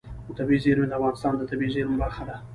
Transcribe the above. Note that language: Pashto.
طبیعي زیرمې د افغانستان د طبیعي زیرمو برخه ده.